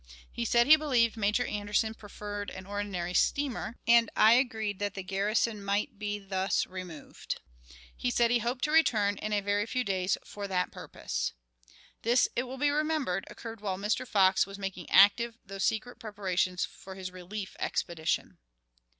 He said he believed Major Anderson preferred an ordinary steamer, and I agreed that the garrison might be thus removed. He said he hoped to return in a very few days for that purpose." This, it will be remembered, occurred while Mr. Fox was making active, though secret, preparations for his relief expedition.